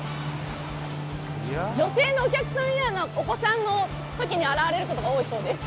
女性のお客さんやお子さんのときに現れることが多いそうです。